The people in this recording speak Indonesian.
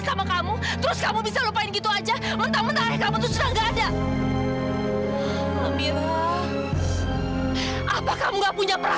sampai jumpa di video selanjutnya